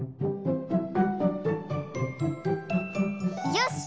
よし！